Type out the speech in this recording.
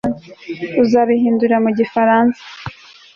uzabihindura mu gifaransa